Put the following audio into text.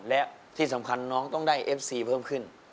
และที่สำคัญน้องต้องได้เอฟซีเพิ่มขึ้น